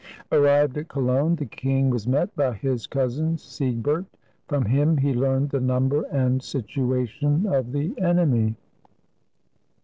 Arrived at Cologne, the king was met by his cousin Siegbert. From him he learned the number and situation of the enemy.